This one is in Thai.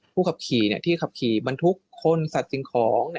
ขับขี่ที่ขับขี่บรรทุกคนสัตว์สิ่งของ